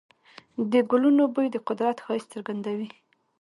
د ګلونو بوی د قدرت ښایست څرګندوي.